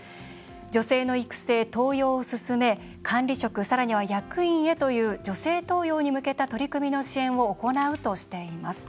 女性の育成、登用を進め管理職、さらには役員へという女性登用に向けた取り組みの支援を行うとしています。